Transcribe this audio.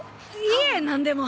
いえ何でも。